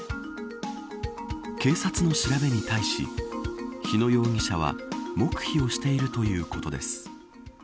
警察の調べに対し日野容疑者は黙秘をしているということです。